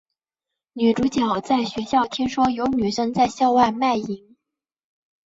女主角在学校听说有女生在校外卖淫。